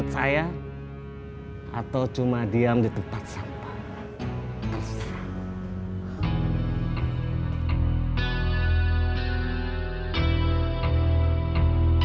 saya atau cuma diam di tempat sampah